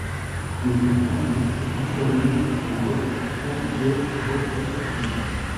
Mais c'est sans relâche qu'ils se réunissent pour les répétitions et autres représentations.